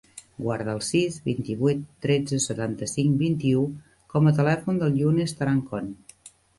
Guarda el sis, vint-i-vuit, tretze, setanta-cinc, vint-i-u com a telèfon del Younes Tarancon.